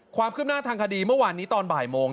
ความคืบหน้าทางคดีเมื่อวานนี้ตอนบ่ายโมง